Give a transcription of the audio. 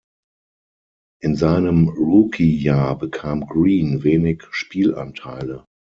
In seinem Rookie-Jahr bekam Green wenig Spielanteile.